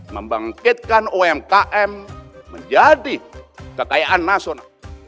membangkitkan umkm menjadi kekayaan nasional